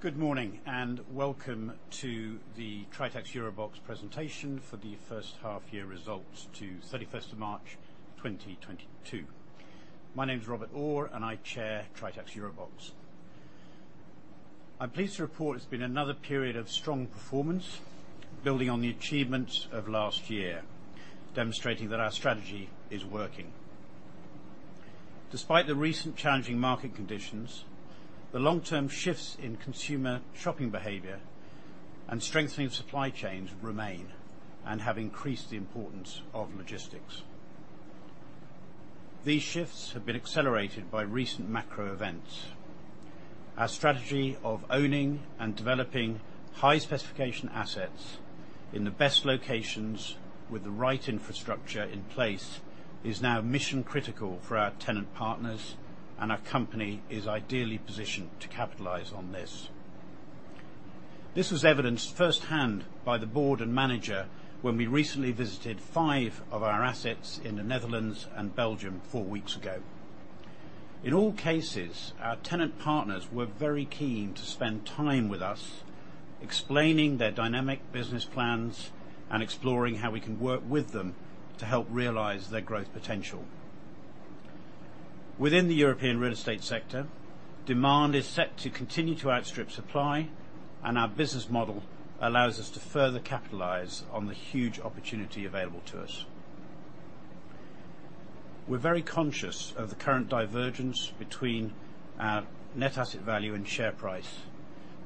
Good morning, and welcome to the Tritax EuroBox presentation for the first half year results to 31st of March, 2022. My name is Robert Orr, and I Chair Tritax EuroBox. I'm pleased to report it's been another period of strong performance, building on the achievements of last year, demonstrating that our strategy is working. Despite the recent challenging market conditions, the long-term shifts in consumer shopping behavior and strengthening of supply chains remain and have increased the importance of logistics. These shifts have been accelerated by recent macro events. Our strategy of owning and developing high-specification assets in the best locations with the right infrastructure in place is now mission-critical for our tenant partners, and our company is ideally positioned to capitalize on this. This was evidenced firsthand by the board and manager when we recently visited five of our assets in the Netherlands and Belgium four weeks ago. In all cases, our tenant partners were very keen to spend time with us explaining their dynamic business plans and exploring how we can work with them to help realize their growth potential. Within the European real estate sector, demand is set to continue to outstrip supply and our business model allows us to further capitalize on the huge opportunity available to us. We're very conscious of the current divergence between our net asset value and share price,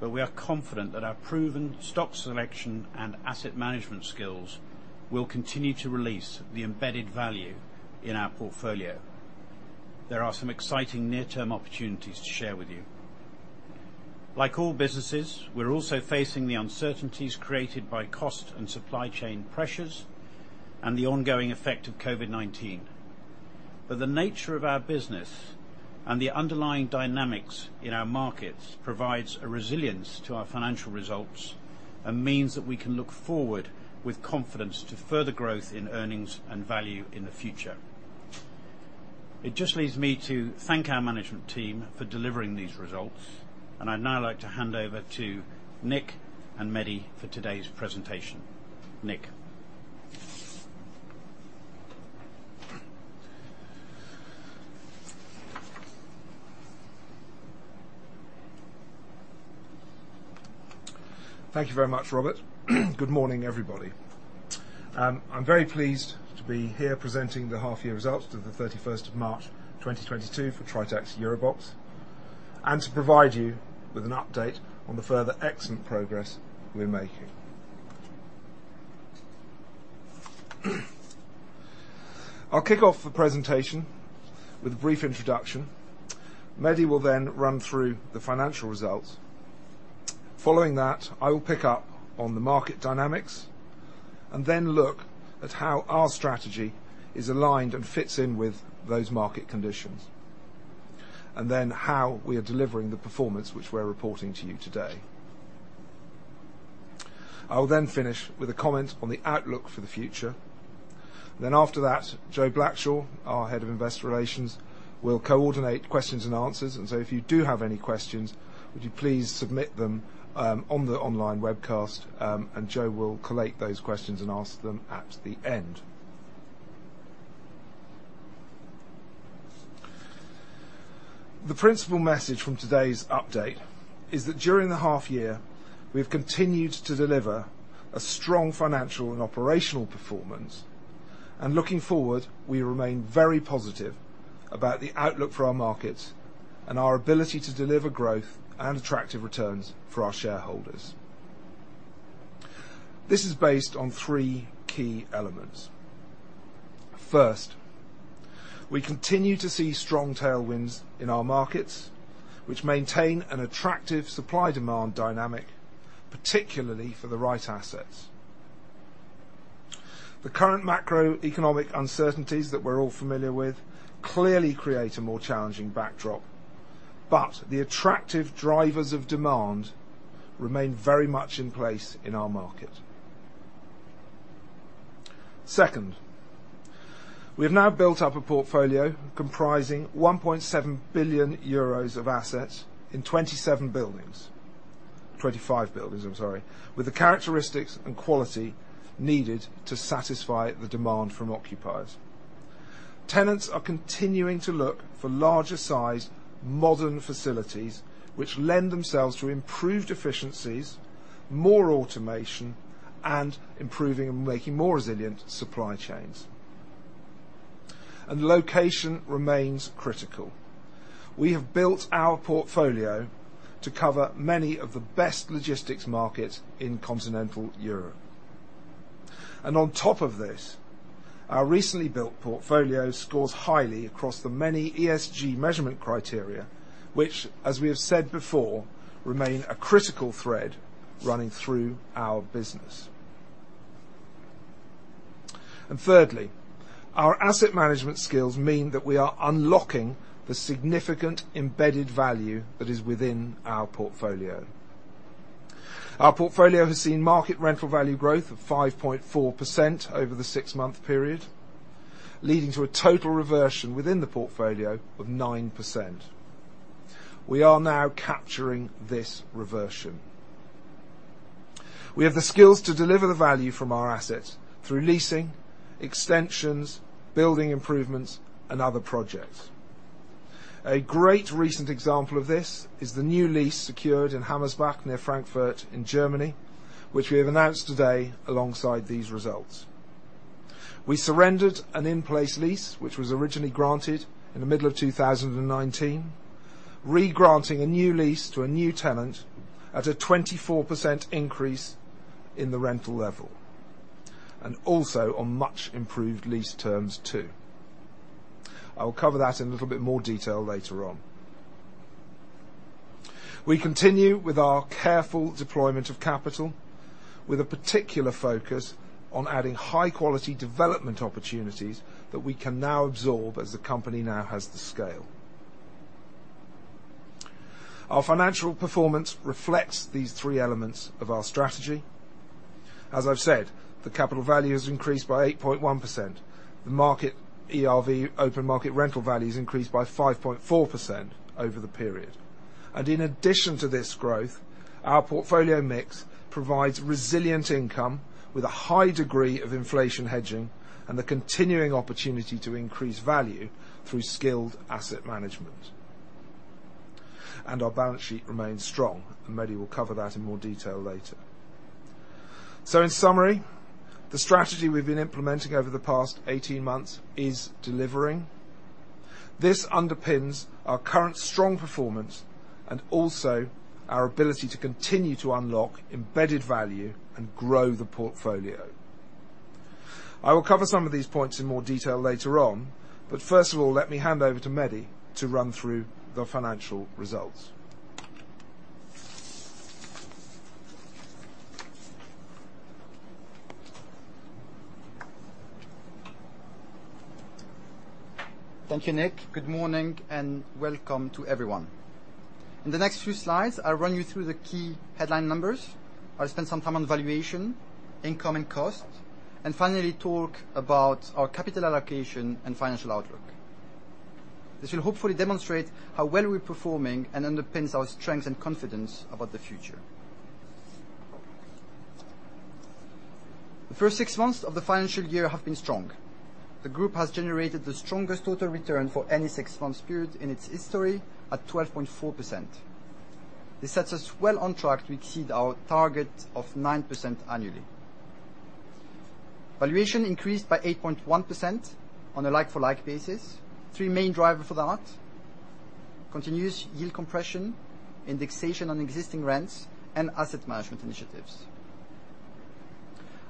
but we are confident that our proven stock selection and asset management skills will continue to release the embedded value in our portfolio. There are some exciting near-term opportunities to share with you. Like all businesses, we're also facing the uncertainties created by cost and supply chain pressures and the ongoing effect of COVID-19. The nature of our business and the underlying dynamics in our markets provides a resilience to our financial results and means that we can look forward with confidence to further growth in earnings and value in the future. It just leaves me to thank our management team for delivering these results, and I'd now like to hand over to Nick and Mehdi for today's presentation. Nick. Thank you very much, Robert. Good morning, everybody. I'm very pleased to be here presenting the half year results to the 31st of March, 2022 for Tritax EuroBox, and to provide you with an update on the further excellent progress we're making. I'll kick off the presentation with a brief introduction. Mehdi will then run through the financial results. Following that, I will pick up on the market dynamics, and then look at how our strategy is aligned and fits in with those market conditions, and then how we are delivering the performance which we're reporting to you today. I will then finish with a comment on the outlook for the future. After that, Jo Blackshaw, our Head of Investor Relations, will coordinate questions and answers. If you do have any questions, would you please submit them, on the online webcast, and Jo will collate those questions and ask them at the end. The principal message from today's update is that during the half year, we've continued to deliver a strong financial and operational performance. Looking forward, we remain very positive about the outlook for our markets and our ability to deliver growth and attractive returns for our shareholders. This is based on three key elements. First, we continue to see strong tailwinds in our markets, which maintain an attractive supply-demand dynamic, particularly for the right assets. The current macroeconomic uncertainties that we're all familiar with clearly create a more challenging backdrop, but the attractive drivers of demand remain very much in place in our market. Second, we have now built up a portfolio comprising 1.7 billion euros of assets in 25 buildings with the characteristics and quality needed to satisfy the demand from occupiers. Tenants are continuing to look for larger sized modern facilities which lend themselves to improved efficiencies, more automation, and improving and making more resilient supply chains. Location remains critical. We have built our portfolio to cover many of the best logistics markets in continental Europe. On top of this, our recently built portfolio scores highly across the many ESG measurement criteria, which as we have said before, remain a critical thread running through our business. Thirdly, our asset management skills mean that we are unlocking the significant embedded value that is within our portfolio. Our portfolio has seen market rental value growth of 5.4% over the six-month period, leading to a total reversion within the portfolio of 9%. We are now capturing this reversion. We have the skills to deliver the value from our assets through leasing, extensions, building improvements, and other projects. A great recent example of this is the new lease secured in Hammersbach near Frankfurt in Germany, which we have announced today alongside these results. We surrendered an in-place lease, which was originally granted in the middle of 2019, re-granting a new lease to a new tenant at a 24% increase in the rental level, and also on much improved lease terms too. I will cover that in a little bit more detail later on. We continue with our careful deployment of capital, with a particular focus on adding high-quality development opportunities that we can now absorb as the company now has the scale. Our financial performance reflects these three elements of our strategy. As I've said, the capital value has increased by 8.1%. The market ERV open market rental value has increased by 5.4% over the period. In addition to this growth, our portfolio mix provides resilient income with a high degree of inflation hedging and the continuing opportunity to increase value through skilled asset management. Our balance sheet remains strong, and Mehdi will cover that in more detail later. In summary, the strategy we've been implementing over the past 18 months is delivering. This underpins our current strong performance and also our ability to continue to unlock embedded value and grow the portfolio. I will cover some of these points in more detail later on, but first of all, let me hand over to Mehdi to run through the financial results. Thank you, Nick. Good morning and welcome to everyone. In the next few slides, I'll run you through the key headline numbers. I'll spend some time on valuation, income and cost, and finally talk about our capital allocation and financial outlook. This will hopefully demonstrate how well we're performing and underpins our strength and confidence about the future. The first six months of the financial year have been strong. The group has generated the strongest total return for any six-month period in its history at 12.4%. This sets us well on track to exceed our target of 9% annually. Valuation increased by 8.1% on a like-for-like basis. Three main driver for that, continuous yield compression, indexation on existing rents, and asset management initiatives.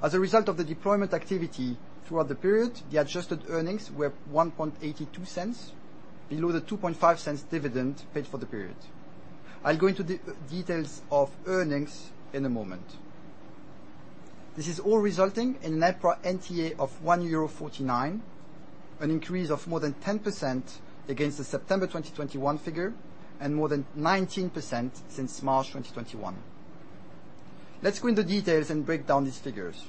As a result of the deployment activity throughout the period, the adjusted earnings were 0.0182, below the 0.025 dividend paid for the period. I'll go into the details of earnings in a moment. This is all resulting in an EPRA NTA of 1.49 euro, an increase of more than 10% against the September 2021 figure and more than 19% since March 2021. Let's go into details and break down these figures.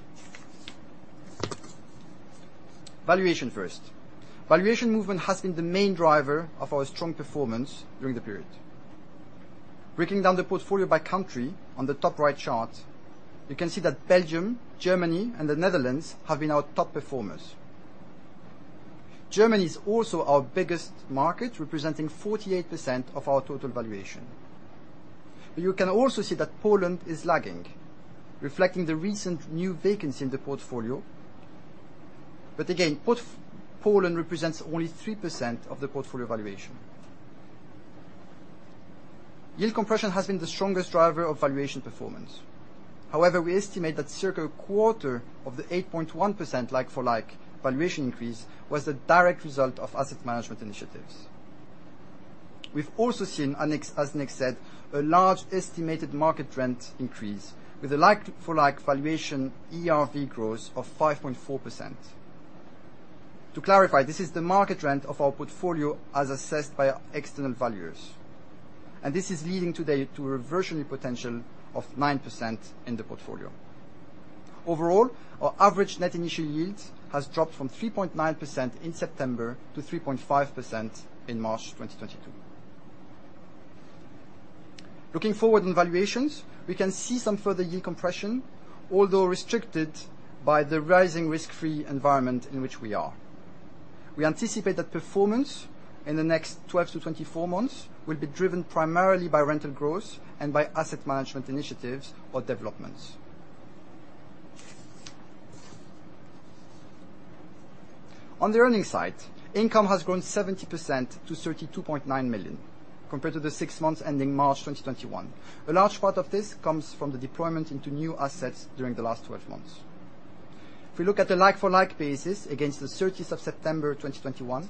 Valuation first. Valuation movement has been the main driver of our strong performance during the period. Breaking down the portfolio by country on the top right chart, you can see that Belgium, Germany, and the Netherlands have been our top performers. Germany is also our biggest market, representing 48% of our total valuation. You can also see that Poland is lagging, reflecting the recent new vacancy in the portfolio. Again, Poland represents only 3% of the portfolio valuation. Yield compression has been the strongest driver of valuation performance. However, we estimate that circa a quarter of the 8.1% like-for-like valuation increase was the direct result of asset management initiatives. We've also seen, as Nick said, a large estimated market rent increase with a like-for-like valuation ERV growth of 5.4%. To clarify, this is the market rent of our portfolio as assessed by our external valuers, and this is leading today to a reversionary potential of 9% in the portfolio. Overall, our average net initial yield has dropped from 3.9% in September to 3.5% in March 2022. Looking forward in valuations, we can see some further yield compression, although restricted by the rising risk-free environment in which we are. We anticipate that performance in the next 12-24 months will be driven primarily by rental growth and by asset management initiatives or developments. On the earnings side, income has grown 70% to 32.9 million compared to the six months ending March 2021. A large part of this comes from the deployment into new assets during the last 12 months. If we look at the like-for-like basis against the 30th of September 2021,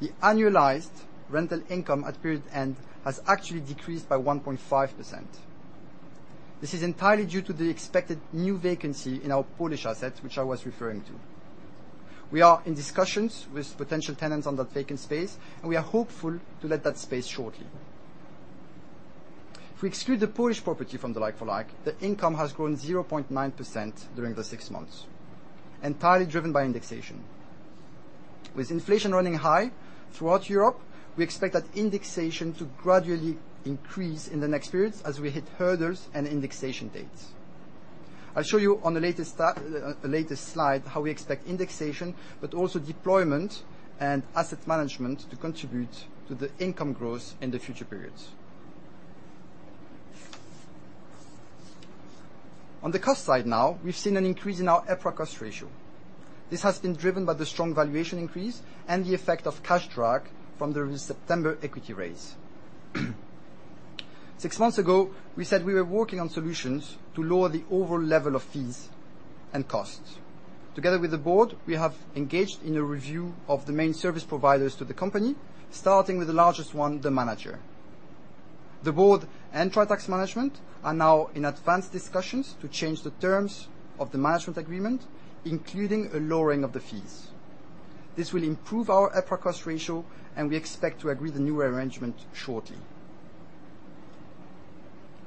the annualized rental income at period end has actually decreased by 1.5%. This is entirely due to the expected new vacancy in our Polish assets, which I was referring to. We are in discussions with potential tenants on that vacant space, and we are hopeful to let that space shortly. If we exclude the Polish property from the like for like, the income has grown 0.9% during the six months, entirely driven by indexation. With inflation running high throughout Europe, we expect that indexation to gradually increase in the next periods as we hit hurdles and indexation dates. I'll show you on the latest slide, how we expect indexation, but also deployment and asset management to contribute to the income growth in the future periods. On the cost side now, we've seen an increase in our EPRA cost ratio. This has been driven by the strong valuation increase and the effect of cash drag from the recent September equity raise. Six months ago, we said we were working on solutions to lower the overall level of fees and costs. Together with the board, we have engaged in a review of the main service providers to the company, starting with the largest one, the manager. The board and Tritax management are now in advanced discussions to change the terms of the management agreement, including a lowering of the fees. This will improve our EPRA cost ratio, and we expect to agree the new arrangement shortly.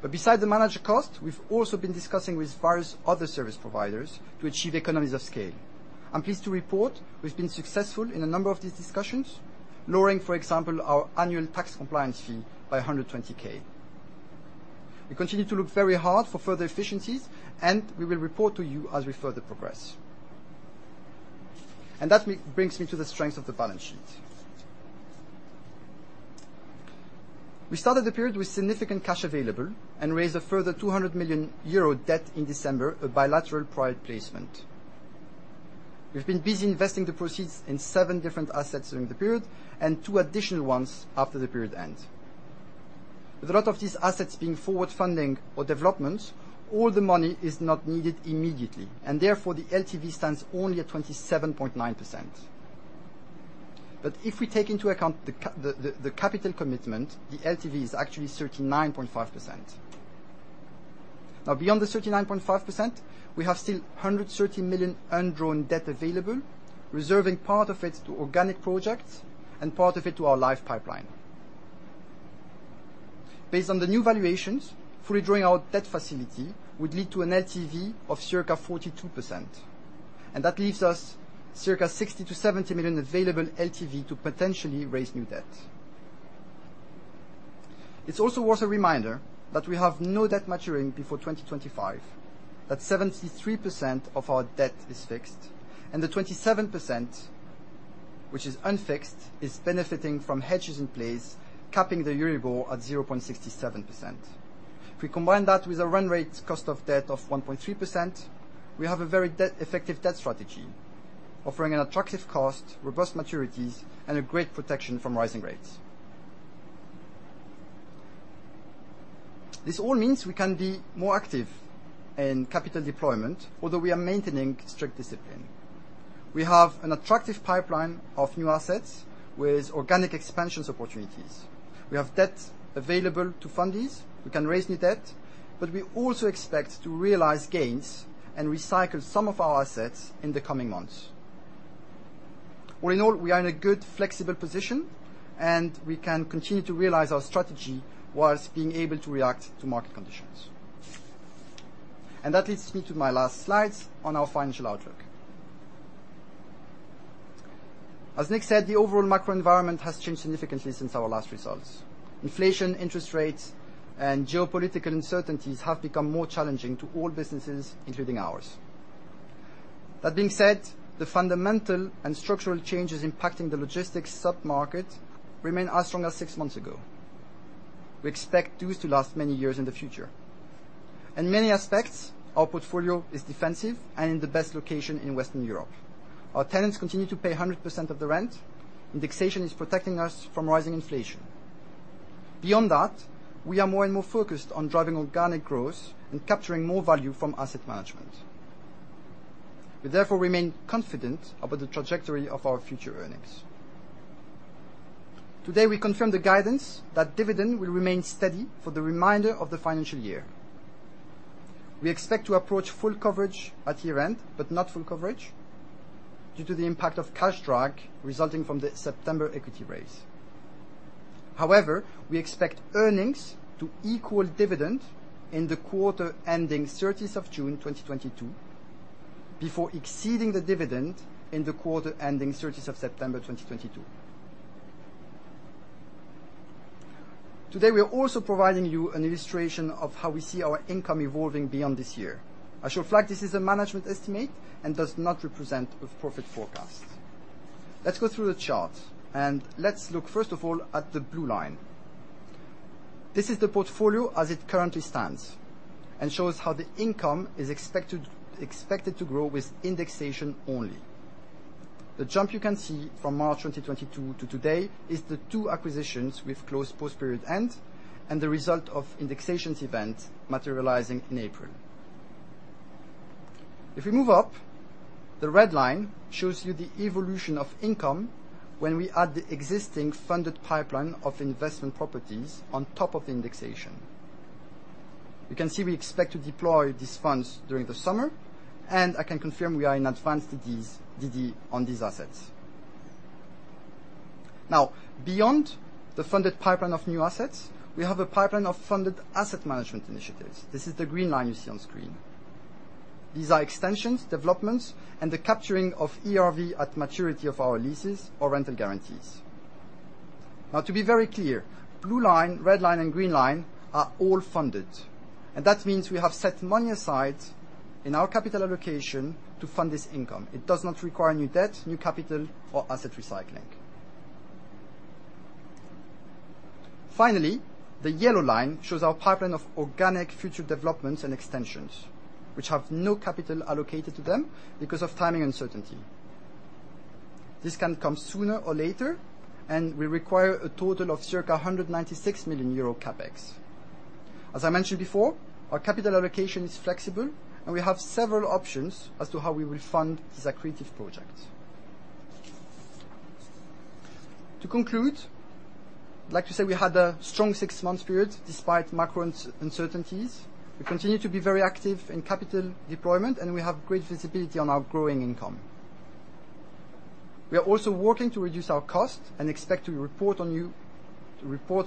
Besides the manager cost, we've also been discussing with various other service providers to achieve economies of scale. I'm pleased to report we've been successful in a number of these discussions, lowering, for example, our annual tax compliance fee by 120,000. We continue to look very hard for further efficiencies, and we will report to you as we further progress. That brings me to the strength of the balance sheet. We started the period with significant cash available and raised a further 200 million euro debt in December, a bilateral private placement. We've been busy investing the proceeds in seven different assets during the period and two additional ones after the period end. With a lot of these assets being forward funding or development, all the money is not needed immediately, and therefore, the LTV stands only at 27.9%. If we take into account the capital commitment, the LTV is actually 39.5%. Now, beyond the 39.5%, we still have 130 million undrawn debt available, reserving part of it to organic projects and part of it to our live pipeline. Based on the new valuations, fully drawing our debt facility would lead to an LTV of circa 42%, and that leaves us circa 60 million-70 million available LTV to potentially raise new debt. It's also worth a reminder that we have no debt maturing before 2025, that 73% of our debt is fixed, and the 27% which is unfixed is benefiting from hedges in place, capping the Euribor at 0.67%. If we combine that with a run rate cost of debt of 1.3%, we have a very effective debt strategy, offering an attractive cost, robust maturities, and a great protection from rising rates. This all means we can be more active in capital deployment, although we are maintaining strict discipline. We have an attractive pipeline of new assets with organic expansions opportunities. We have debt available to fund these. We can raise new debt, but we also expect to realize gains and recycle some of our assets in the coming months. All in all, we are in a good, flexible position, and we can continue to realize our strategy while being able to react to market conditions. That leads me to my last slides on our financial outlook. As Nick said, the overall macro environment has changed significantly since our last results. Inflation, interest rates, and geopolitical uncertainties have become more challenging to all businesses, including ours. That being said, the fundamental and structural changes impacting the logistics sub-market remain as strong as six months ago. We expect these to last many years in the future. In many aspects, our portfolio is defensive and in the best location in Western Europe. Our tenants continue to pay 100% of the rent. Indexation is protecting us from rising inflation. Beyond that, we are more and more focused on driving organic growth and capturing more value from asset management. We therefore remain confident about the trajectory of our future earnings. Today, we confirm the guidance that dividend will remain steady for the remainder of the financial year. We expect to approach full coverage at year-end, but not full coverage due to the impact of cash drag resulting from the September equity raise. However, we expect earnings to equal dividend in the quarter ending 30th of June 2022, before exceeding the dividend in the quarter ending 30th of September, 2022. Today, we are also providing you an illustration of how we see our income evolving beyond this year. I should flag this is a management estimate and does not represent a profit forecast. Let's go through the chart, and let's look first of all at the blue line. This is the portfolio as it currently stands and shows how the income is expected to grow with indexation only. The jump you can see from March 2022 to today is the two acquisitions we've closed post period end and the result of indexation event materializing in April. If we move up, the red line shows you the evolution of income when we add the existing funded pipeline of investment properties on top of the indexation. You can see we expect to deploy these funds during the summer, and I can confirm we are in advanced DD on these assets. Now, beyond the funded pipeline of new assets, we have a pipeline of funded asset management initiatives. This is the green line you see on screen. These are extensions, developments, and the capturing of ERV at maturity of our leases or rental guarantees. Now, to be very clear, blue line, red line, and green line are all funded. That means we have set money aside in our capital allocation to fund this income. It does not require new debt, new capital, or asset recycling. Finally, the yellow line shows our pipeline of organic future developments and extensions, which have no capital allocated to them because of timing uncertainty. This can come sooner or later and will require a total of circa 196 million euro CapEx. As I mentioned before, our capital allocation is flexible, and we have several options as to how we will fund these accretive projects. To conclude, like you say, we had a strong six-month period despite macro uncertainties. We continue to be very active in capital deployment, and we have great visibility on our growing income. We are also working to reduce our costs and expect to report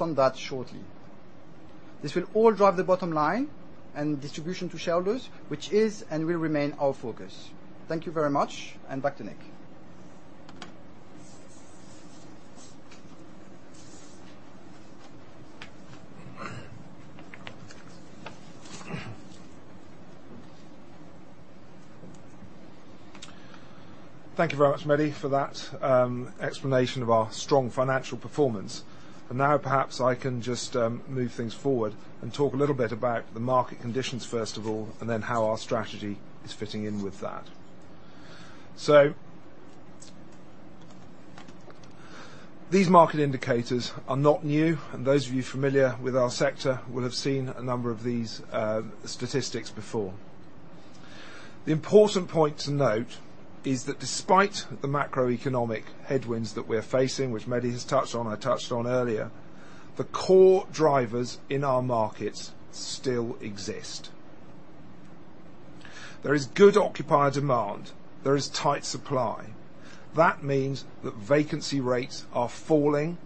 on that shortly. This will all drive the bottom line and distribution to shareholders, which is and will remain our focus. Thank you very much. Back to Nick. Thank you very much, Mehdi, for that explanation of our strong financial performance. Now perhaps I can just move things forward and talk a little bit about the market conditions, first of all, and then how our strategy is fitting in with that. These market indicators are not new, and those of you familiar with our sector will have seen a number of these statistics before. The important point to note is that despite the macroeconomic headwinds that we're facing, which Mehdi has touched on and I touched on earlier, the core drivers in our markets still exist. There is good occupier demand. There is tight supply. That means that vacancy rates are falling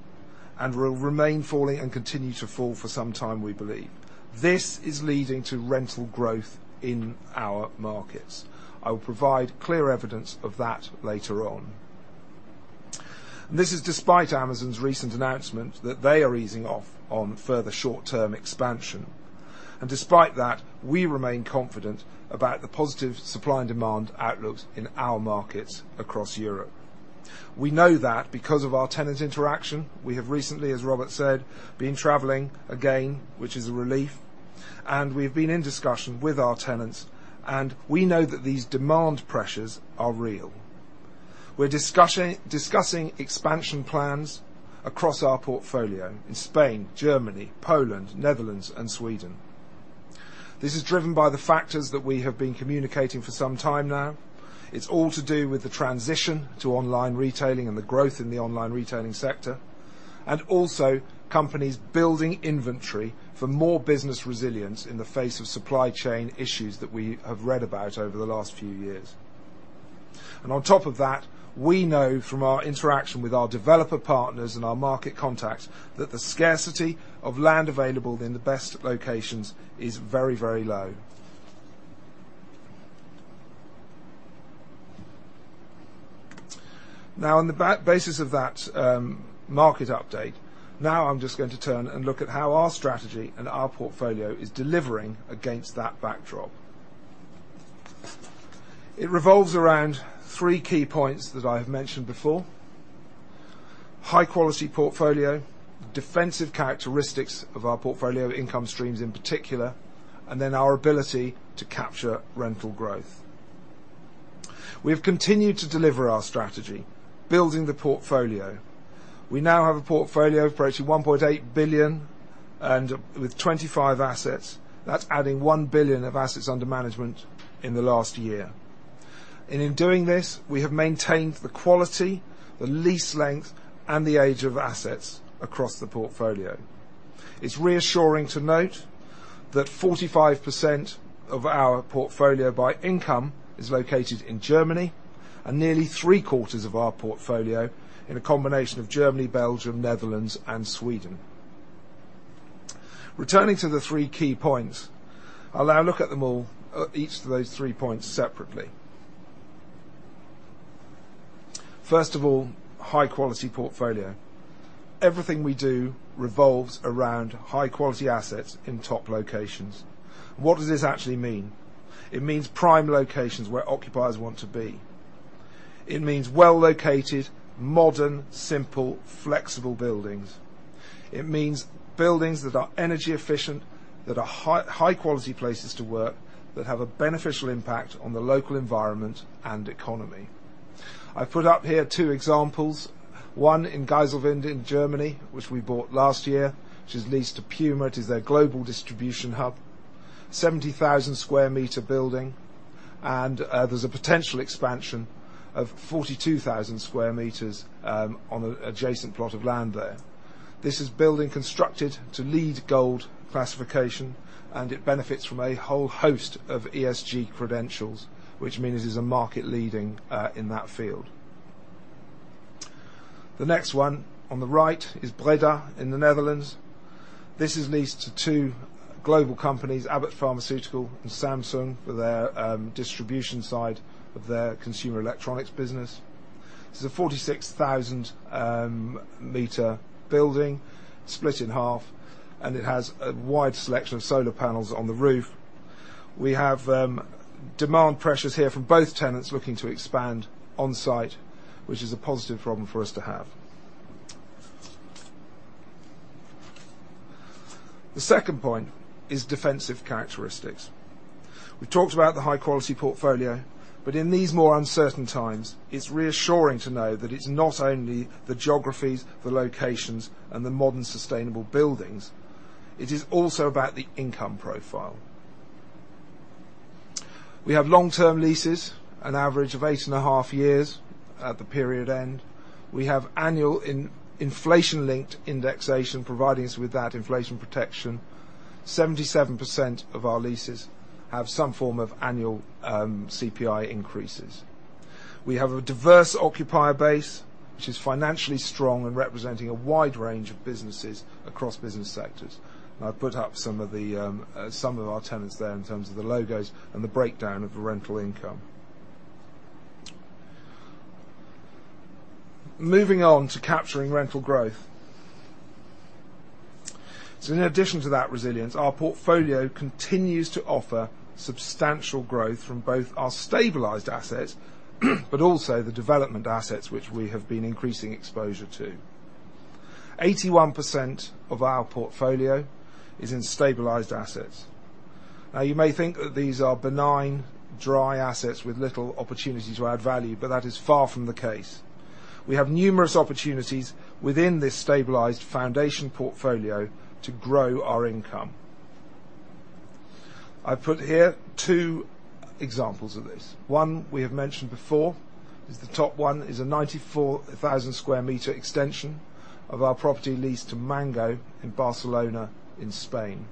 and will remain falling and continue to fall for some time, we believe. This is leading to rental growth in our markets. I will provide clear evidence of that later on. This is despite Amazon's recent announcement that they are easing off on further short-term expansion. Despite that, we remain confident about the positive supply and demand outlooks in our markets across Europe. We know that because of our tenant interaction, we have recently, as Robert said, been traveling again, which is a relief. We've been in discussion with our tenants, and we know that these demand pressures are real. We're discussing expansion plans across our portfolio in Spain, Germany, Poland, Netherlands, and Sweden. This is driven by the factors that we have been communicating for some time now. It's all to do with the transition to online retailing and the growth in the online retailing sector, and also companies building inventory for more business resilience in the face of supply chain issues that we have read about over the last few years. On top of that, we know from our interaction with our developer partners and our market contacts that the scarcity of land available in the best locations is very, very low. Now on the basis of that market update, now I'm just going to turn and look at how our strategy and our portfolio is delivering against that backdrop. It revolves around three key points that I have mentioned before, high quality portfolio, defensive characteristics of our portfolio, income streams in particular, and then our ability to capture rental growth. We have continued to deliver our strategy, building the portfolio. We now have a portfolio of approaching 1.8 billion and with 25 assets. That's adding 1 billion of assets under management in the last year. In doing this, we have maintained the quality, the lease length, and the age of assets across the portfolio. It's reassuring to note that 45% of our portfolio by income is located in Germany and nearly three-quarters of our portfolio in a combination of Germany, Belgium, Netherlands, and Sweden. Returning to the three key points, I'll now look at them all, each of those three points separately. First of all, high quality portfolio. Everything we do revolves around high quality assets in top locations. What does this actually mean? It means prime locations where occupiers want to be. It means well-located, modern, simple, flexible buildings. It means buildings that are energy efficient, that are high quality places to work, that have a beneficial impact on the local environment and economy. I've put up here two examples. One in Geiselwind in Germany, which we bought last year, which is leased to Puma. It is their global distribution hub. 70,000 sq m building. There's a potential expansion of 42,000 sq m on an adjacent plot of land there. This is a building constructed to LEED Gold classification, and it benefits from a whole host of ESG credentials, which means it is a market leading in that field. The next one on the right is Breda in the Netherlands. This is leased to two global companies, Abbott Laboratories and Samsung, for their distribution side of their consumer electronics business. This is a 46,000 sq m building split in half, and it has a wide selection of solar panels on the roof. We have demand pressures here from both tenants looking to expand on site, which is a positive problem for us to have. The second point is defensive characteristics. We've talked about the high-quality portfolio, but in these more uncertain times, it's reassuring to know that it's not only the geographies, the locations and the modern sustainable buildings, it is also about the income profile. We have long-term leases, an average of eight and a half years at the period end. We have annual inflation linked indexation providing us with that inflation protection. 77% of our leases have some form of annual CPI increases. We have a diverse occupier base, which is financially strong and representing a wide range of businesses across business sectors. I've put up some of our tenants there in terms of the logos and the breakdown of the rental income. Moving on to capturing rental growth. In addition to that resilience, our portfolio continues to offer substantial growth from both our stabilized assets, but also the development assets which we have been increasing exposure to. 81% of our portfolio is in stabilized assets. Now, you may think that these are benign, dry assets with little opportunity to add value, but that is far from the case. We have numerous opportunities within this stabilized foundation portfolio to grow our income. I've put here two examples of this. One we have mentioned before, the top one, is a 94,000 sq m extension of our property lease to Mango in Barcelona in Spain.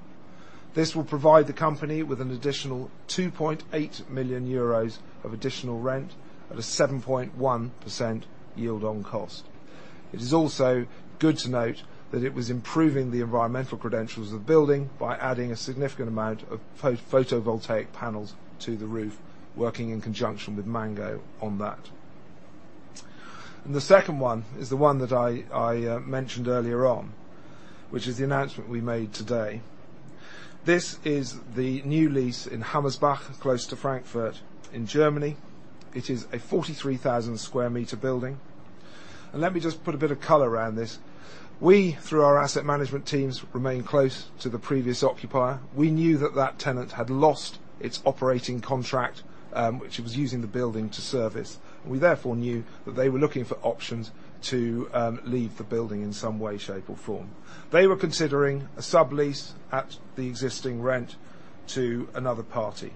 This will provide the company with an additional 2.8 million euros of additional rent at a 7.1% yield on cost. It is also good to note that it was improving the environmental credentials of the building by adding a significant amount of photovoltaic panels to the roof, working in conjunction with Mango on that. The second one is the one that I mentioned earlier on, which is the announcement we made today. This is the new lease in Hammersbach, close to Frankfurt in Germany. It is a 43,000 sq m building. Let me just put a bit of color around this. We, through our asset management teams, remain close to the previous occupier. We knew that that tenant had lost its operating contract, which it was using the building to service. We therefore knew that they were looking for options to leave the building in some way, shape, or form. They were considering a sublease at the existing rent to another party.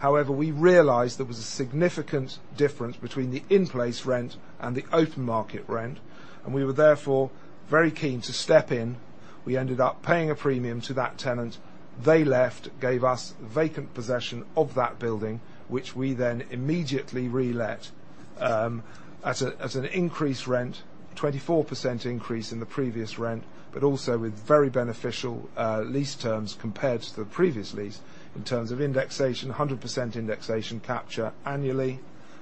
However, we realized there was a significant difference between the in-place rent and the open market rent, and we were therefore very keen to step in. We ended up paying a premium to that tenant. They left, gave us vacant possession of that building, which we then immediately re-let at an increased rent, 24% increase in the previous rent, but also with very beneficial lease terms compared to the previous lease in terms of indexation, 100% indexation capture annually,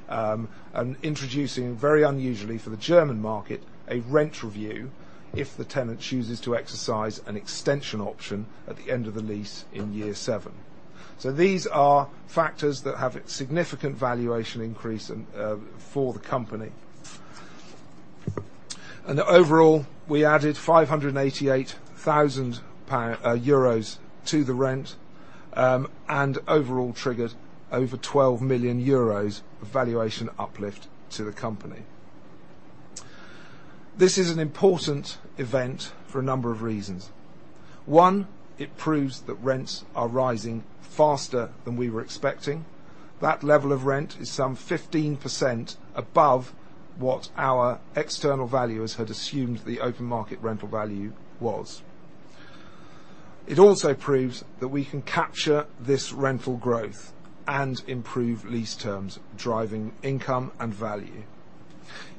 and introducing, very unusually for the German market, a rent review if the tenant chooses to exercise an extension option at the end of the lease in year seven. These are factors that have a significant valuation increase in for the company. Overall, we added 588,000 euros to the rent, and overall triggered over 12 million euros of valuation uplift to the company. This is an important event for a number of reasons. One, it proves that rents are rising faster than we were expecting. That level of rent is some 15% above what our external valuers had assumed the open market rental value was. It also proves that we can capture this rental growth and improve lease terms, driving income and value.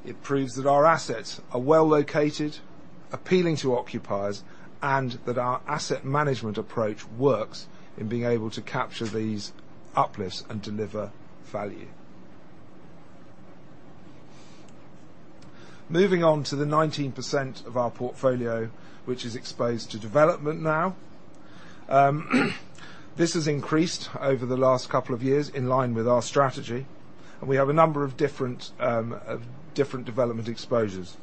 It proves that our assets are well-located, appealing to occupiers, and that our asset management approach works in being able to capture these uplifts and deliver value. Moving on to the 19% of our portfolio which is exposed to development now. This has increased over the last couple of years in line with our strategy, and we have a number of different development exposures.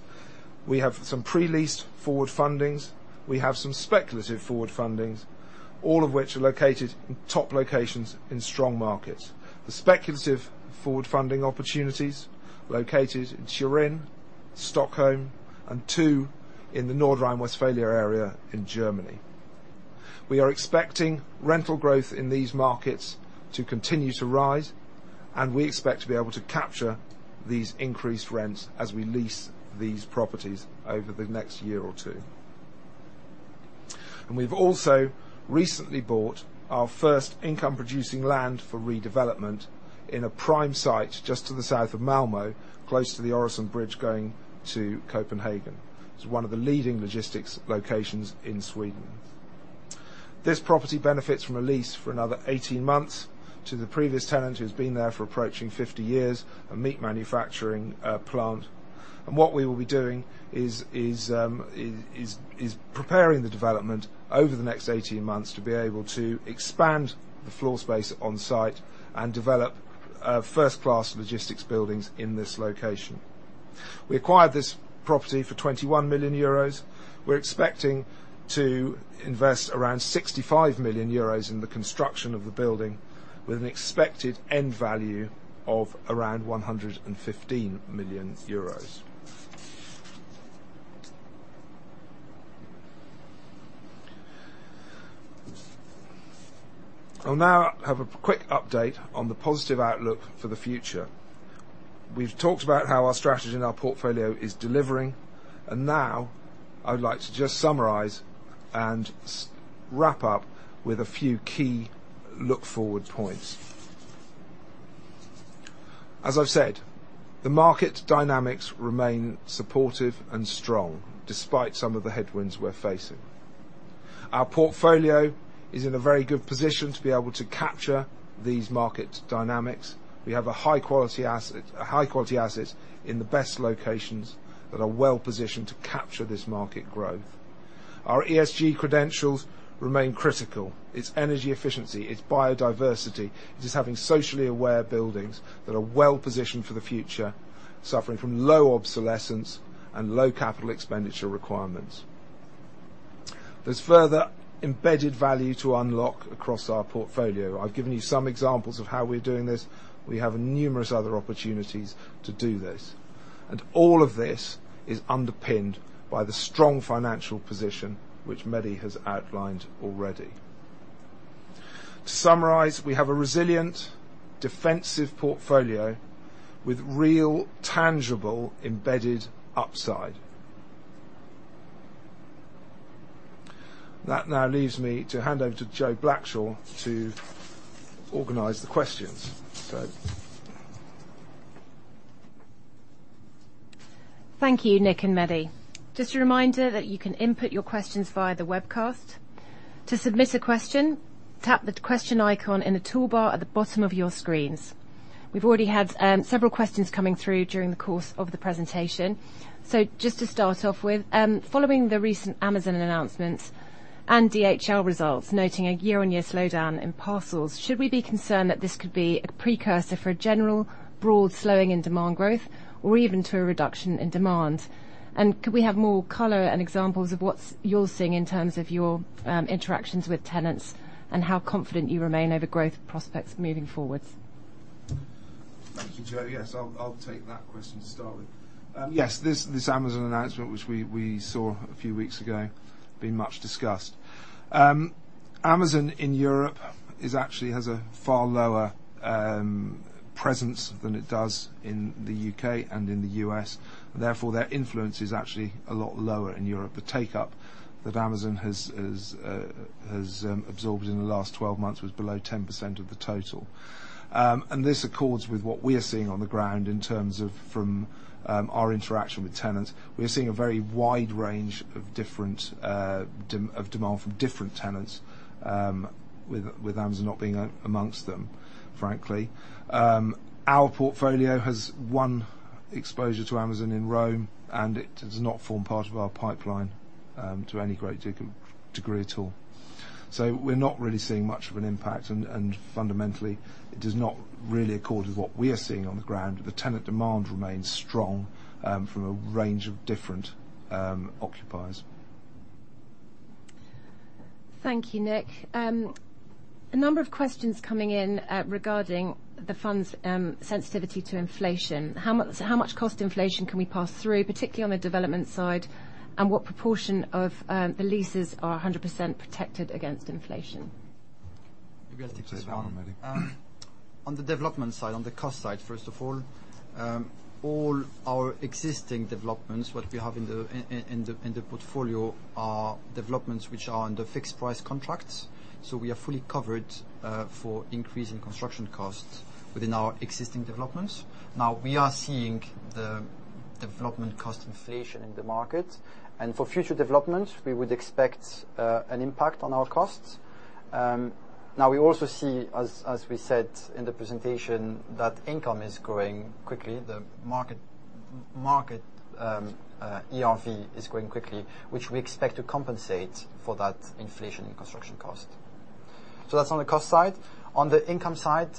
We have some pre-leased forward fundings. We have some speculative forward fundings, all of which are located in top locations in strong markets. The speculative forward funding opportunities located in Turin, Stockholm, and two in the Nordrhein-Westfalen area in Germany. We are expecting rental growth in these markets to continue to rise, and we expect to be able to capture these increased rents as we lease these properties over the next year or two. We've also recently bought our first income producing land for redevelopment in a prime site just to the south of Malmö, close to the Øresund Bridge going to Copenhagen. It's one of the leading logistics locations in Sweden. This property benefits from a lease for another 18 months to the previous tenant who's been there for approaching 50 years, a meat manufacturing plant. What we will be doing is preparing the development over the next 18 months to be able to expand the floor space on site and develop first-class logistics buildings in this location. We acquired this property for 21 million euros. We're expecting to invest around 65 million euros in the construction of the building with an expected end value of around 115 million euros. I'll now have a quick update on the positive outlook for the future. We've talked about how our strategy and our portfolio is delivering, and now I would like to just summarize and wrap up with a few key forward-looking points. As I've said, the market dynamics remain supportive and strong despite some of the headwinds we're facing. Our portfolio is in a very good position to be able to capture these market dynamics. We have a high quality asset, a high quality asset in the best locations that are well-positioned to capture this market growth. Our ESG credentials remain critical. It's energy efficiency, it's biodiversity. It is having socially aware buildings that are well-positioned for the future, suffering from low obsolescence and low capital expenditure requirements. There's further embedded value to unlock across our portfolio. I've given you some examples of how we're doing this. We have numerous other opportunities to do this. All of this is underpinned by the strong financial position which Mehdi has outlined already. To summarize, we have a resilient, defensive portfolio with real, tangible, embedded upside. That now leaves me to hand over to Jo Blackshaw to organize the questions. Jo? Thank you, Nick and Mehdi. Just a reminder that you can input your questions via the webcast. To submit a question, tap the question icon in the toolbar at the bottom of your screens. We've already had several questions coming through during the course of the presentation. So just to start off with, following the recent Amazon announcements and DHL results noting a year-on-year slowdown in parcels, should we be concerned that this could be a precursor for a general broad slowing in demand growth or even to a reduction in demand? Could we have more color and examples of what you're seeing in terms of your interactions with tenants and how confident you remain over growth prospects moving forward? Thank you, Jo. Yes, I'll take that question to start with. Yes, this Amazon announcement, which we saw a few weeks ago, being much discussed. Amazon in Europe actually has a far lower presence than it does in the U.K. and in the U.S., and therefore, their influence is actually a lot lower in Europe. The take-up that Amazon has absorbed in the last 12 months was below 10% of the total. This accords with what we are seeing on the ground in terms of from our interaction with tenants. We are seeing a very wide range of different demand from different tenants, with Amazon not being amongst them, frankly. Our portfolio has one exposure to Amazon in Rome, and it does not form part of our pipeline to any great degree at all. We're not really seeing much of an impact and fundamentally, it does not really accord with what we are seeing on the ground. The tenant demand remains strong from a range of different occupiers. Thank you, Nick. A number of questions coming in, regarding the fund's sensitivity to inflation. How much cost inflation can we pass through, particularly on the development side, and what proportion of the leases are 100% protected against inflation? Maybe I'll take this one. You take that one, Mehdi. On the development side, on the cost side, first of all our existing developments, what we have in the portfolio are developments which are under fixed price contracts. We are fully covered for increase in construction costs within our existing developments. Now, we are seeing the development cost inflation in the market. For future developments, we would expect an impact on our costs. Now we also see, as we said in the presentation, that income is growing quickly. The market ERV is growing quickly, which we expect to compensate for that inflation in construction cost. That's on the cost side. On the income side,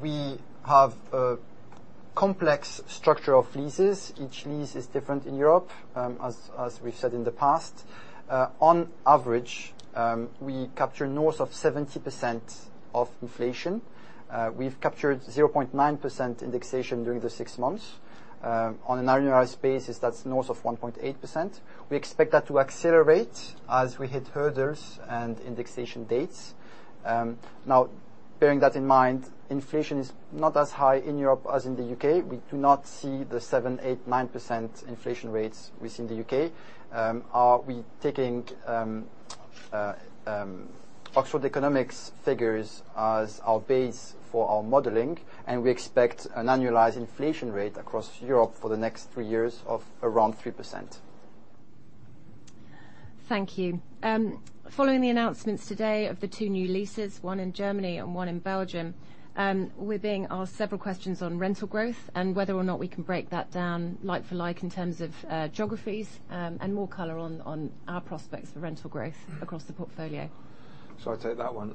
we have complex structure of leases. Each lease is different in Europe, as we've said in the past. On average, we capture north of 70% of inflation. We've captured 0.9% indexation during the six months. On an annualized basis, that's north of 1.8%. We expect that to accelerate as we hit hurdles and indexation dates. Now, bearing that in mind, inflation is not as high in Europe as in the U.K.. We do not see the 7%, 8%, 9% inflation rates we see in the U.K.. We're taking Oxford Economics figures as our base for our modeling, and we expect an annualized inflation rate across Europe for the next three years of around 3%. Thank you. Following the announcements today of the 2 new leases, one in Germany and one in Belgium, we're being asked several questions on rental growth and whether or not we can break that down like for like in terms of geographies, and more color on our prospects for rental growth across the portfolio. Shall I take that one?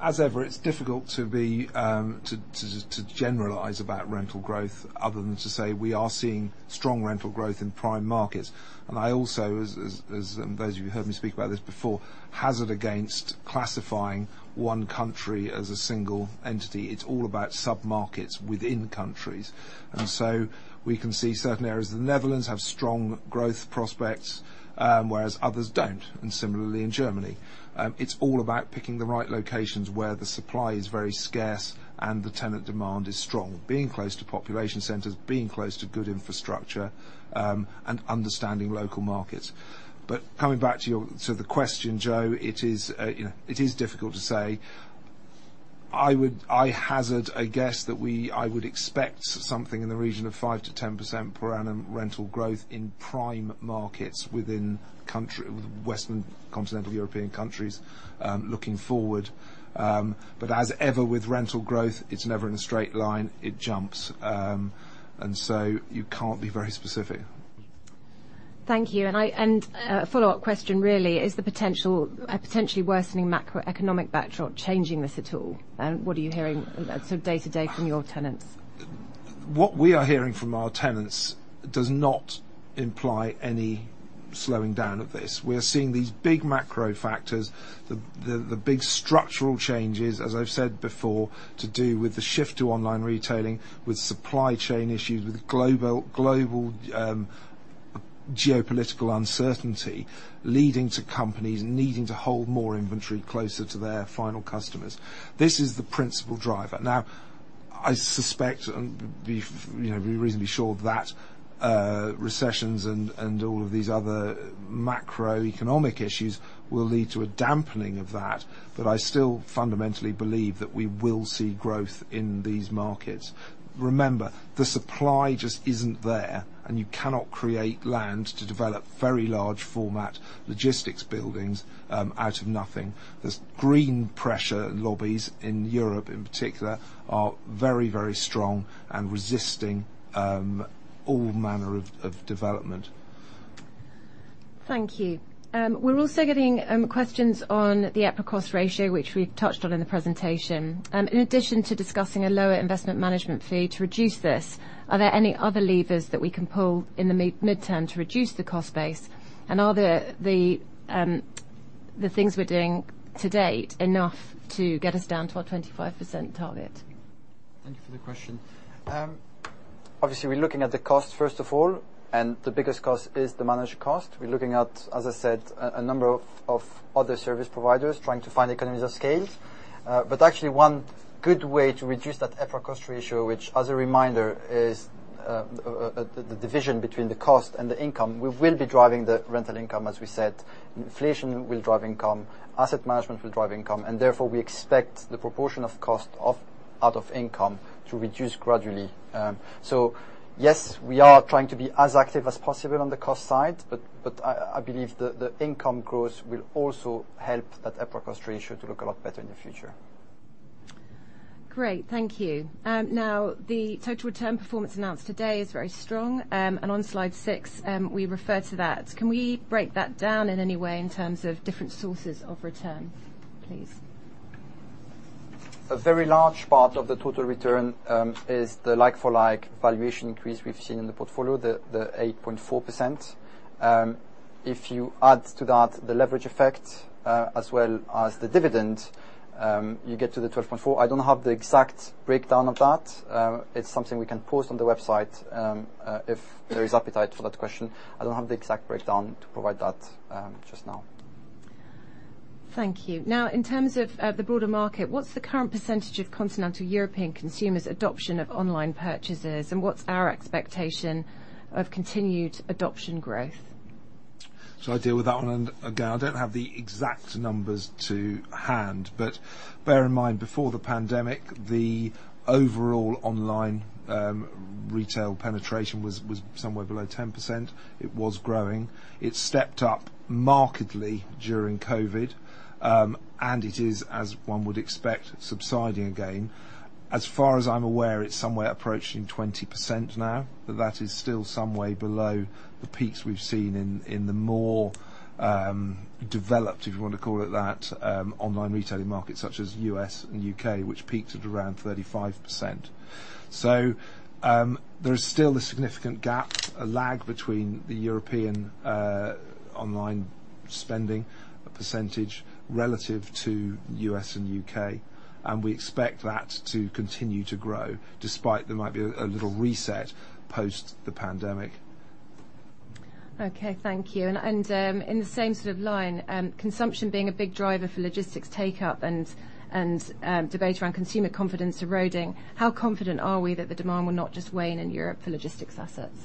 As ever, it's difficult to generalize about rental growth other than to say we are seeing strong rental growth in prime markets. I also, as those of you who heard me speak about this before, hazard against classifying one country as a single entity. It's all about submarkets within countries. We can see certain areas of the Netherlands have strong growth prospects, whereas others don't, and similarly in Germany. It's all about picking the right locations where the supply is very scarce and the tenant demand is strong. Being close to population centers, being close to good infrastructure, and understanding local markets. Coming back to the question, Jo, it is difficult to say. I hazard a guess that we. I would expect something in the region of 5%-10% per annum rental growth in prime markets within country, Western continental European countries, looking forward. As ever with rental growth, it's never in a straight line, it jumps. You can't be very specific. Thank you. A follow-up question really, is the potential potentially worsening macroeconomic backdrop changing this at all? What are you hearing sort of day to day from your tenants? What we are hearing from our tenants does not imply any slowing down of this. We are seeing these big macro factors, the big structural changes, as I've said before, to do with the shift to online retailing, with supply chain issues, with global geopolitical uncertainty, leading to companies needing to hold more inventory closer to their final customers. This is the principal driver. Now, I suspect, you know, be reasonably sure that recessions and all of these other macroeconomic issues will lead to a dampening of that, but I still fundamentally believe that we will see growth in these markets. Remember, the supply just isn't there, and you cannot create land to develop very large format logistics buildings out of nothing. There's green pressure lobbies in Europe in particular are very, very strong and resisting all manner of development. Thank you. We're also getting questions on the EPRA cost ratio, which we touched on in the presentation. In addition to discussing a lower investment management fee to reduce this, are there any other levers that we can pull in the mid-term to reduce the cost base? Are the things we're doing to date enough to get us down to our 25% target? Thank you for the question. Obviously, we're looking at the cost, first of all, and the biggest cost is the managed cost. We're looking at, as I said, a number of other service providers trying to find economies of scale. Actually one good way to reduce that EPRA cost ratio, which as a reminder, is the division between the cost and the income. We will be driving the rental income, as we said. Inflation will drive income, asset management will drive income, and therefore, we expect the proportion of cost out of income to reduce gradually. Yes, we are trying to be as active as possible on the cost side, but I believe the income growth will also help that EPRA cost ratio to look a lot better in the future. Great. Thank you. Now, the total return performance announced today is very strong. On slide six, we refer to that. Can we break that down in any way in terms of different sources of return, please? A very large part of the total return is the like-for-like valuation increase we've seen in the portfolio, the 8.4%. If you add to that the leverage effect as well as the dividend, you get to the 12.4%. I don't have the exact breakdown of that. It's something we can post on the website if there is appetite for that question. I don't have the exact breakdown to provide that just now. Thank you. Now, in terms of the broader market, what's the current percentage of Continental European consumers' adoption of online purchases, and what's our expectation of continued adoption growth? I deal with that one. Again, I don't have the exact numbers to hand. Bear in mind, before the pandemic, the overall online retail penetration was somewhere below 10%. It was growing. It stepped up markedly during COVID. It is, as one would expect, subsiding again. As far as I'm aware, it's somewhere approaching 20% now, but that is still some way below the peaks we've seen in the more developed, if you want to call it that, online retailing markets such as U.S. and U.K., which peaked at around 35%. There is still a significant gap, a lag between the European online spending percentage relative to U.S. and U.K., and we expect that to continue to grow despite there might be a little reset post the pandemic. Okay. Thank you. In the same sort of line, consumption being a big driver for logistics take-up and debate around consumer confidence eroding, how confident are we that the demand will not just wane in Europe for logistics assets?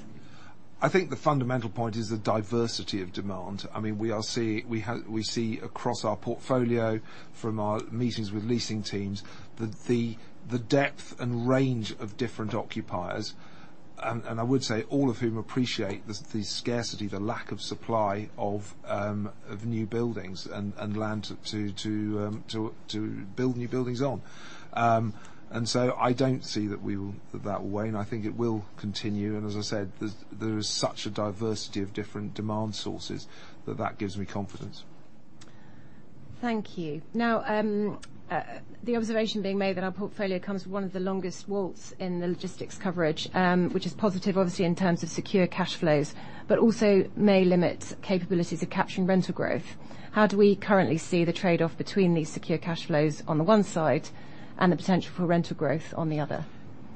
I think the fundamental point is the diversity of demand. I mean, we see across our portfolio from our meetings with leasing teams, the depth and range of different occupiers, and I would say all of whom appreciate the scarcity, the lack of supply of new buildings and land to build new buildings on. I don't see that that will wane. I think it will continue, and as I said, there is such a diversity of different demand sources that that gives me confidence. Thank you. Now, the observation being made that our portfolio comes with one of the longest WAULT in the logistics coverage, which is positive obviously in terms of secure cash flows, but also may limit capabilities of capturing rental growth. How do we currently see the trade-off between these secure cash flows on the one side and the potential for rental growth on the other?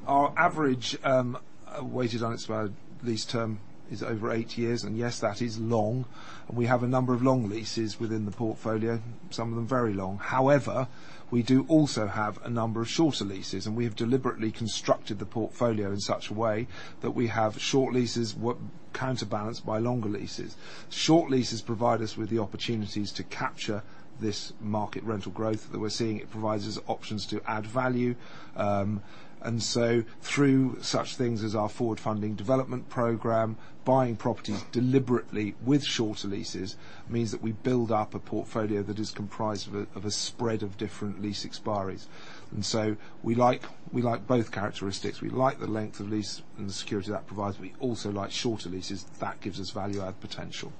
Our weighted average unexpired lease term is over eight years, and yes, that is long. We have a number of long leases within the portfolio, some of them very long. However, we do also have a number of shorter leases, and we have deliberately constructed the portfolio in such a way that we have short leases counterbalanced by longer leases. Short leases provide us with the opportunities to capture this market rental growth that we're seeing. It provides us options to add value. Through such things as our forward funding development program, buying properties deliberately with shorter leases means that we build up a portfolio that is comprised of a spread of different lease expiries. We like both characteristics. We like the length of lease and the security that provides, but we also like shorter leases. That gives us value add potential.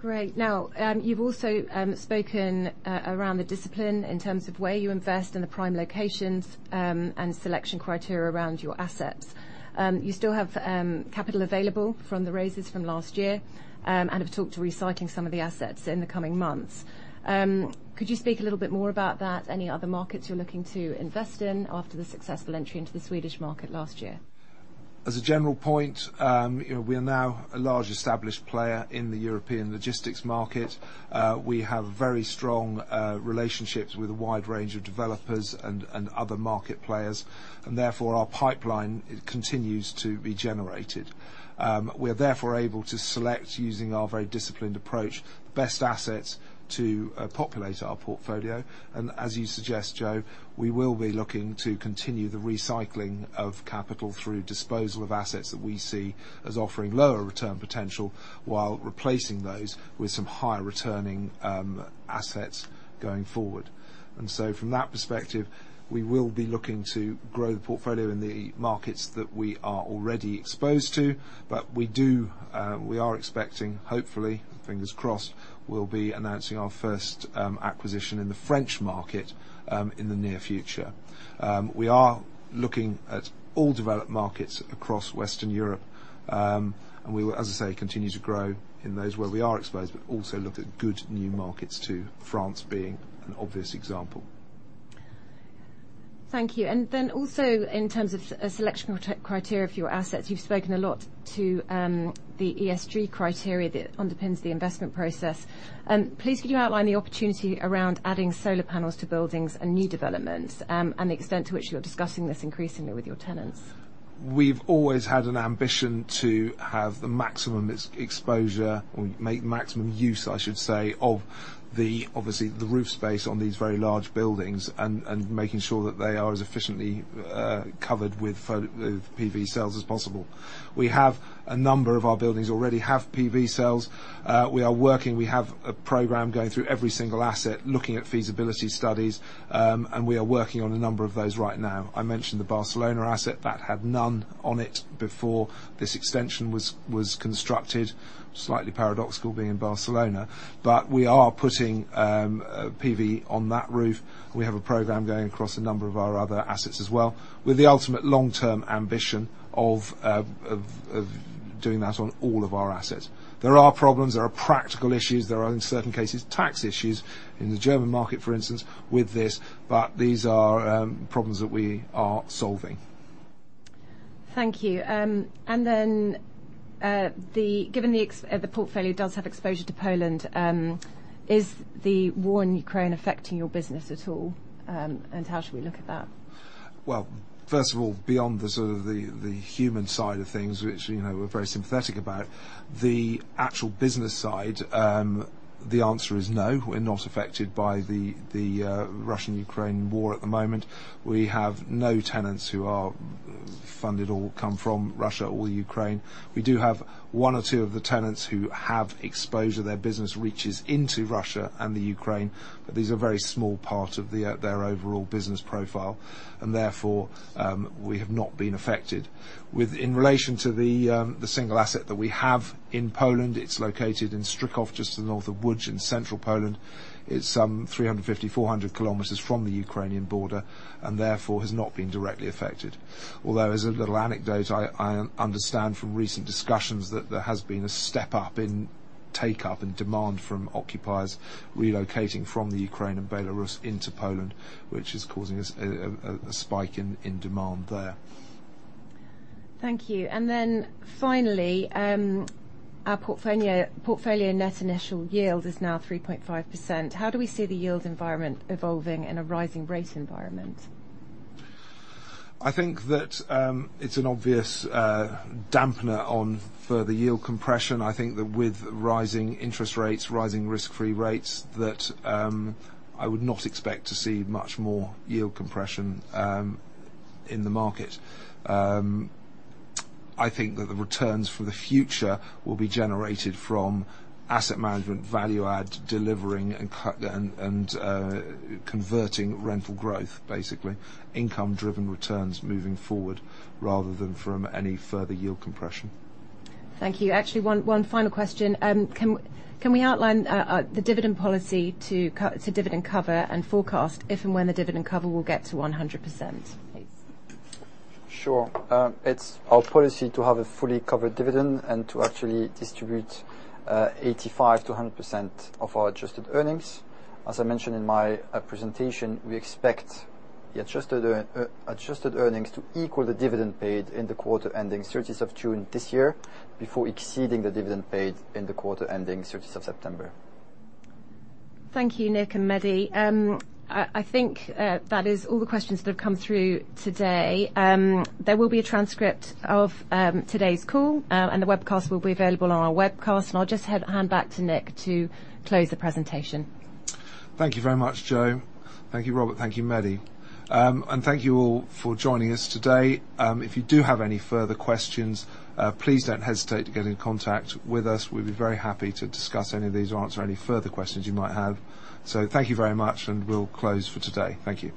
Great. Now, you've also spoken around the discipline in terms of where you invest in the prime locations, and selection criteria around your assets. You still have capital available from the raises from last year, and have talked about recycling some of the assets in the coming months. Could you speak a little bit more about that, any other markets you're looking to invest in after the successful entry into the Swedish market last year? As a general point, you know, we are now a large established player in the European logistics market. We have very strong relationships with a wide range of developers and other market players, and therefore, our pipeline it continues to be generated. We're therefore able to select using our very disciplined approach, the best assets to populate our portfolio. As you suggest, Jo, we will be looking to continue the recycling of capital through disposal of assets that we see as offering lower return potential while replacing those with some higher returning assets going forward. From that perspective, we will be looking to grow the portfolio in the markets that we are already exposed to, but we are expecting, hopefully, fingers crossed, we'll be announcing our first acquisition in the French market in the near future. We are looking at all developed markets across Western Europe. We will, as I say, continue to grow in those where we are exposed, but also look at good new markets too, France being an obvious example. Thank you. In terms of selection criteria for your assets, you've spoken a lot to the ESG criteria that underpins the investment process. Please could you outline the opportunity around adding solar panels to buildings and new developments, and the extent to which you're discussing this increasingly with your tenants? We've always had an ambition to have the maximum exposure or make maximum use, I should say, of the, obviously the roof space on these very large buildings and making sure that they are as efficiently covered with PV cells as possible. We have a number of our buildings already have PV cells. We are working, we have a program going through every single asset looking at feasibility studies, and we are working on a number of those right now. I mentioned the Barcelona asset that had none on it before this extension was constructed, slightly paradoxical being in Barcelona, but we are putting PV on that roof. We have a program going across a number of our other assets as well, with the ultimate long-term ambition of doing that on all of our assets. There are problems, there are practical issues, there are, in certain cases, tax issues in the German market, for instance, with this, but these are problems that we are solving. Thank you. Given the portfolio does have exposure to Poland, is the war in Ukraine affecting your business at all? How should we look at that? Well, first of all, beyond the human side of things, which, you know, we're very sympathetic about, the actual business side. The answer is no. We're not affected by the Russian-Ukraine war at the moment. We have no tenants who are funded or come from Russia or Ukraine. We do have one or two of the tenants who have exposure, their business reaches into Russia and the Ukraine, but these are a very small part of their overall business profile, and therefore, we have not been affected. In relation to the single asset that we have in Poland, it's located in Stryków, just to the north of Łódź in central Poland. It's 350-400 kilometers from the Ukrainian border, and therefore has not been directly affected. Although, as a little anecdote, I understand from recent discussions that there has been a step up in take-up and demand from occupiers relocating from the Ukraine and Belarus into Poland, which is causing us a spike in demand there. Thank you. Finally, our portfolio net initial yield is now 3.5%. How do we see the yield environment evolving in a rising rate environment? I think that it's an obvious damper on further yield compression. I think that with rising interest rates, rising risk-free rates, that I would not expect to see much more yield compression in the market. I think that the returns for the future will be generated from asset management, value add, delivering and converting rental growth, basically. Income-driven returns moving forward rather than from any further yield compression. Thank you. Actually, one final question. Can we outline the dividend policy to dividend cover and forecast if and when the dividend cover will get to 100%, please? Sure. It's our policy to have a fully covered dividend and to actually distribute 85%-100% of our adjusted earnings. As I mentioned in my presentation, we expect the adjusted earnings to equal the dividend paid in the quarter ending 13th of June this year before exceeding the dividend paid in the quarter ending 13th of September. Thank you, Nick and Mehdi. I think that is all the questions that have come through today. There will be a transcript of today's call, and the webcast will be available on our webcast, and I'll just hand back to Nick to close the presentation. Thank you very much, Jo. Thank you, Robert. Thank you, Mehdi. Thank you all for joining us today. If you do have any further questions, please don't hesitate to get in contact with us. We'd be very happy to discuss any of these or answer any further questions you might have. Thank you very much, and we'll close for today. Thank you.